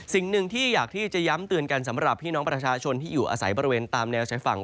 สิ่งหนึ่งที่อยากที่จะย้ำเตือนกันสำหรับพี่น้องประชาชนที่อยู่อาศัยบริเวณตามแนวชายฝั่ง